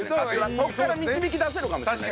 そこから導き出せるかもしれない。